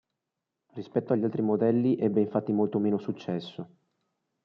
Rispetto agli altri modelli, ebbe infatti molto meno successo.